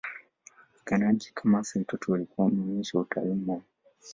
Wapiganaji kama Saitoti walikuwa wameonyesha utaalam wao